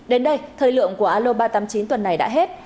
đến đây thời lượng của alo ba trăm tám mươi chín tuần này đã hết